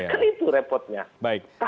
kan itu repotnya